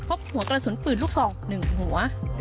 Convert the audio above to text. พบหัวกระสุนปืนลูกซอง๑หัว